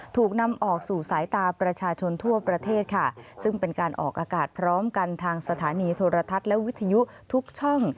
ถูกนำออกสู่สายตาประชาชนทั่วประเทศค่ะซึ่งเป็นการออกอากาศพร้อมกันทางสถานีโทรทัศน์และวิทยุทุกช่อง